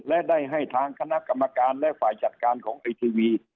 และได้ให้ทางคณะกรรมการและฝ่ายจัดการของไอทีวี